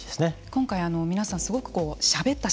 今回皆さんすごくしゃべった